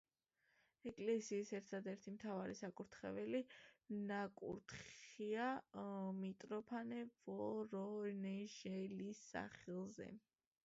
ეკლესიის ერთადერთი მთავარი საკურთხეველი ნაკურთხია მიტროფანე ვორონეჟელის სახელზე.